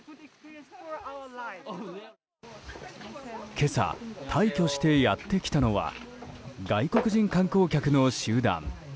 今朝、大挙してやってきたのは外国人観光客の集団。